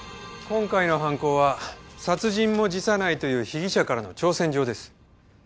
今回の犯行は殺人も辞さないという被疑者からの挑戦状です。